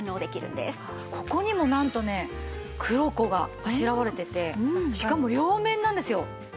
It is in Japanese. ここにもなんとねクロコがあしらわれててしかも両面なんですよ。